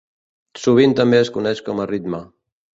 Sovint també es coneix com a ritme.